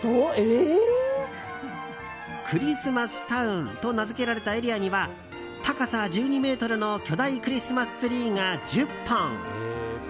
クリスマスタウンと名付けられたエリアには高さ１２ｍの巨大クリスマスツリーが１０本。